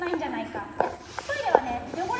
いやトイレはね汚れ